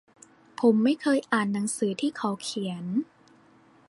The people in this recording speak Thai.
ผมไม่เคยอ่านหนังสือที่เขาเขียน